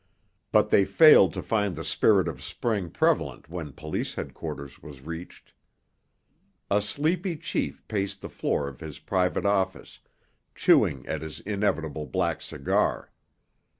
But they failed to find the spirit of spring prevalent when police headquarters was reached. A sleepy chief paced the floor of his private office, chewing at his inevitable black cigar.